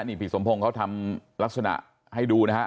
นี่พี่สมพงศ์เขาทำลักษณะให้ดูนะฮะ